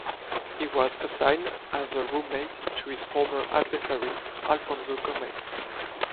He was assigned as a roommate to his former adversary Alfonso Gomez.